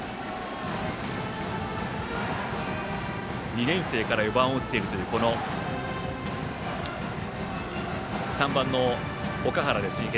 ２年生から４番を打っているというこの３番の岳原です。